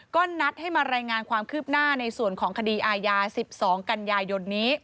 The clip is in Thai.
ก็นัดให้มารายงานความคืบหน้าในส่วนของคดีอาญา๑๒กันยายนนี้